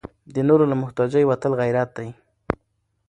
د نورو له محتاجۍ وتل غیرت دی.